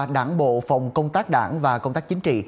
đảng bộ phòng công tác đảng và công tác chính trị